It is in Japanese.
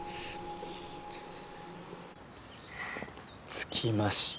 着きました。